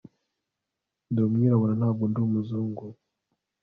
Ndi umwirabura ntago ndi umuzungu